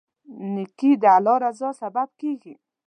نیکي د الله رضا سبب کیږي.